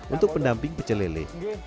untuk pendamping pecelele